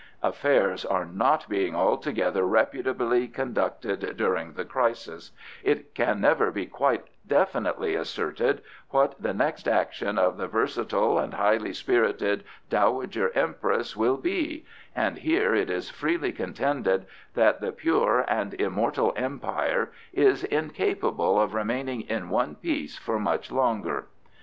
Affairs are not being altogether reputably conducted during the crisis; it can never be quite definitely asserted what the next action of the versatile and high spirited Dowager Empress will be; and here it is freely contended that the Pure and Immortal Empire is incapable of remaining in one piece for much longer.